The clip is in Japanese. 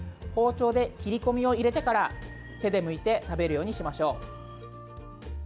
包丁で切り込みを入れてから手でむいて食べるようにしましょう。